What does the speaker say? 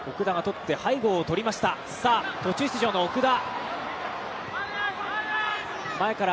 途中出場の奥田。